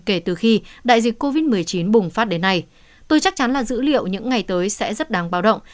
kể từ khi đại dịch covid một mươi chín bùng phát đến nay tôi chắc chắn là dữ liệu những ngày tới sẽ rất đáng báo động